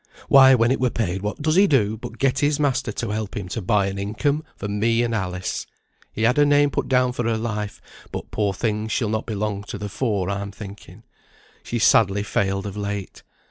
Why, when it were paid what does he do, but get his master to help him to buy an income for me and Alice. He had her name put down for her life; but, poor thing, she'll not be long to the fore, I'm thinking. She's sadly failed of late.